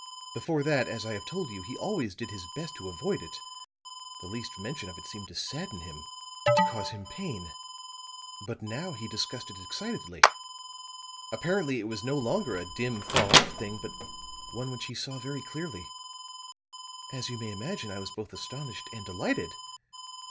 Before that, as I have told you, he always did his best to avoid it; the least mention of it seemed to sadden him, to cause him pain. But now he discussed it excitedly; apparently it was no longer a dim, far off thing, but one which he saw very clearly. As you may imagine, I was both astonished and delighted.